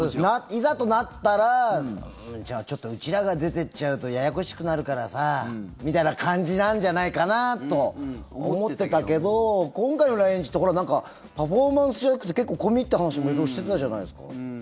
いざとなったらちょっとうちらが出てっちゃうとややこしくなるからさみたいな感じなんじゃないかなと思ってたけど、今回の来日ってパフォーマンスじゃなくて結構込み入った話も色々してたじゃないですか。